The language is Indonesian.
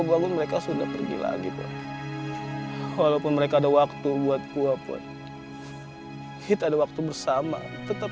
bangun mereka sudah pergi lagi poh walaupun mereka ada waktu buat gua poh kita ada waktu bersama tetap